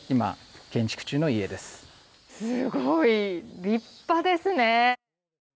すごい立派ですね！